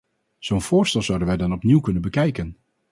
Zo'n voorstel zouden wij dan opnieuw kunnen bekijken.